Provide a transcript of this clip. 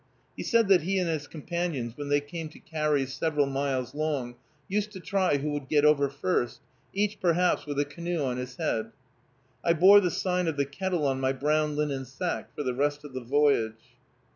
He said that he and his companions, when they came to carries several miles long, used to try who would get over first; each, perhaps, with a canoe on his head. I bore the sign of the kettle on my brown linen sack for the rest of the voyage.